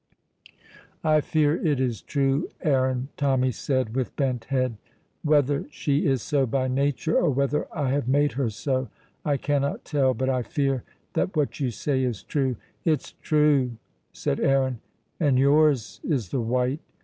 "I fear it is true, Aaron," Tommy said, with bent head. "Whether she is so by nature, or whether I have made her so, I cannot tell, but I fear that what you say is true." "It's true," said Aaron, "and yours is the wite.